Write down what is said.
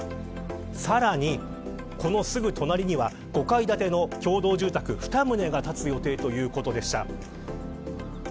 さらにこのすぐ隣には５階建ての共同住宅２棟が建つ予定とのことでした。